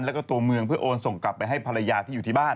แล้วก็ตัวเมืองเพื่อโอนส่งกลับไปให้ภรรยาที่อยู่ที่บ้าน